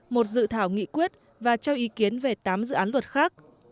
một dự thảo nghị quyết và cho ý kiến về tám dự án luật khác